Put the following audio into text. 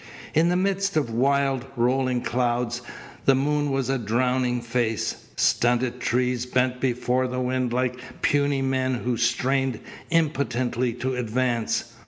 In the midst of wild, rolling clouds, the moon was a drowning face. Stunted trees bent before the wind like puny men who strained impotently to advance.